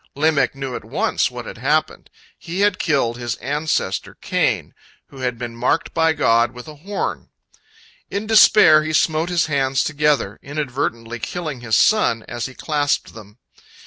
Lamech knew at once what had happened—he had killed his ancestor Cain, who had been marked by God with a horn. In despair he smote his hands together, inadvertently killing his son as he clasped them.